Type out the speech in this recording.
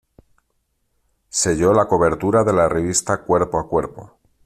Selló la cobertura de la revista Cuerpo a Cuerpo.